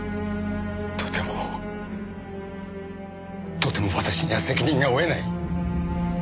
とてもとても私には責任が負えない。